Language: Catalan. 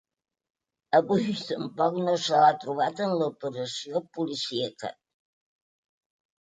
Avui tampoc no se l’ha trobat en l’operació policíaca.